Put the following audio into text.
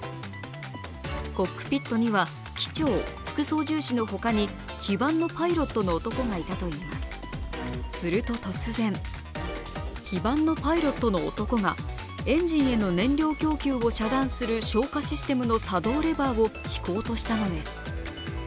コックピットには機長、副操縦士のほかに非番のパイロットの男がいたといいますすると突然、非番のパイロットの男がエンジンへの燃料供給を遮断する消火システムの作動レバーを引こうとしたのです。